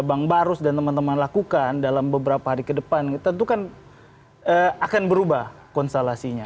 bang barus dan teman teman lakukan dalam beberapa hari ke depan tentu kan akan berubah konstelasinya